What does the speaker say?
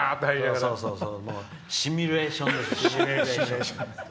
シミュレーションです。